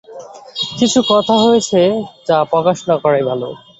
কিছু কথা রয়েছে যা প্রকাশ না করাই ভালো।